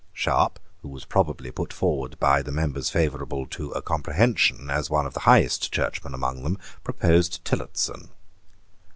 Sharp, who was probably put forward by the members favourable to a comprehension as one of the highest churchmen among them, proposed Tillotson.